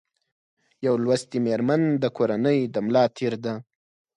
یو لوستي مېرمن د کورنۍ د ملا تېر ده